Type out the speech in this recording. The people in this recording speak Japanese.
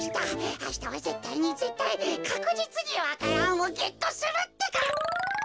あしたはぜったいにぜったいかくじつにわからんをゲットするってか！